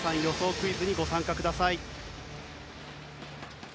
クイズにご参加ください。